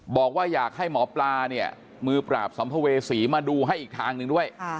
บอกว่าอยากให้หมอปลาเนี่ยมือปราบสัมภเวษีมาดูให้อีกทางหนึ่งด้วย